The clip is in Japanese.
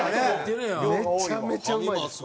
めちゃめちゃうまいです！